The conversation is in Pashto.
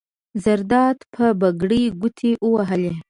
زرداد په پګړۍ ګوتې ووهلې.